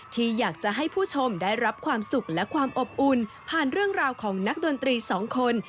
ที่อยากจะให้ผู้ชมได้รับความสุขและความอบอุ่นผ่านเรื่องราวของนักดนตรีสองคน